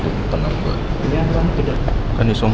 masuk dan membuatkye karis menggunakan kain bahan kain dan kain